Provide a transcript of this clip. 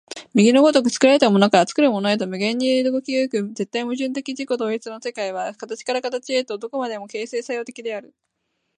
右の如く作られたものから作るものへと無限に動き行く絶対矛盾的自己同一の世界は、形から形へとして何処までも形成作用的である。